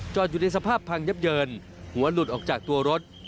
อยู่ในสภาพพังยับเยินหัวหลุดออกจากตัวรถ